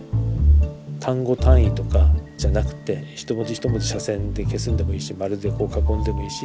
単語単位とかじゃなくて一文字一文字斜線で消すんでもいいし丸でこう囲んでもいいし。